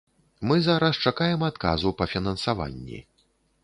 Мы зараз чакаем адказу па фінансаванні.